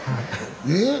え⁉